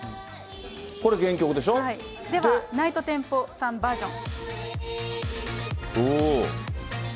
これ、原曲でしょ？ではナイトテンポさんバージョン。